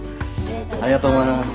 ありがとうございます。